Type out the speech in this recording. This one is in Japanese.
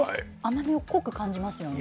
甘みを濃く感じますよね。